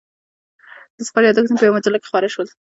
د سفر یادښتونه په یوه مجله کې خپاره شول.